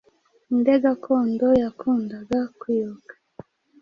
Ninde gakondo yakundaga kwibuka